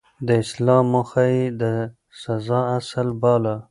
د اصلاح موخه يې د سزا اصل باله.